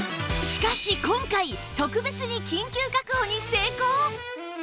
しかし今回特別に緊急確保に成功！